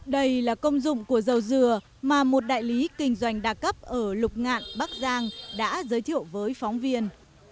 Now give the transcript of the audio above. đây là công dụng của dầu dừa mà một đại lý kinh doanh đa cấp ở lục ngạn bắc giang đã giới thiệu với phóng viên